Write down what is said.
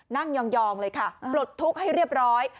ยองเลยค่ะปลดทุกข์ให้เรียบร้อย